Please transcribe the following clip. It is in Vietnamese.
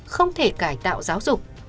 không thể cải tạo giáo dục